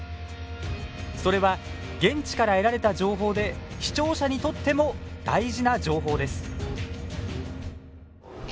それは、現地から得られた情報で視聴者にとっても大事な情報です。